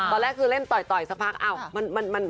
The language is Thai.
ตอนแรกคือเล่นต่อยสักพักมันหล่นไปเลยอ่ะ